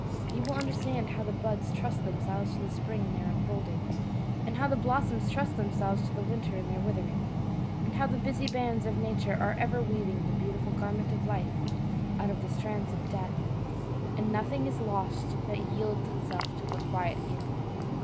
You will understand how the buds trust themselves to the spring in their unfolding, and how the blossoms trust themselves to the winter in their withering, and how the busy bands of Nature are ever weaving the beautiful garment of life out of the strands of death, and nothing is lost that yields itself to her quiet handling.